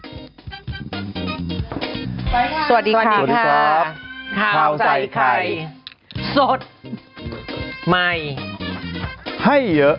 สวัสดีค่ะข้าวใส่ไข่สดใหม่ให้เยอะ